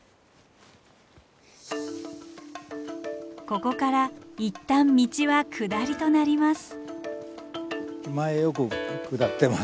ここからいったん道は下りとなります。